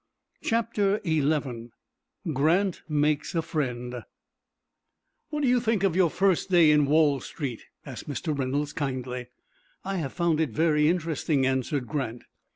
CHAPTER XI GRANT MAKES A FRIEND "What do you think of your first day in Wall Street?" asked Mr. Reynolds, kindly. "I have found it very interesting," answered Grant.